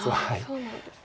そうなんですね。